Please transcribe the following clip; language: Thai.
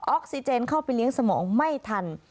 ออกซิเจนเข้าไปเลี้ยงสมองไม่ทัน